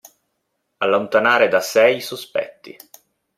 Allontanare da sé i sospetti.